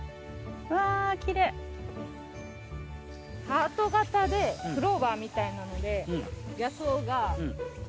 ハート形でクローバーみたいなので野草が。